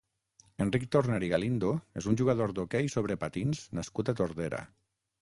Enric Torner i Galindo és un jugador d'hoquei sobre patins nascut a Tordera.